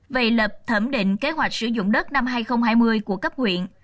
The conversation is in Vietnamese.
về lập thẩm định kế hoạch sử dụng đất năm hai nghìn hai mươi của cấp huyện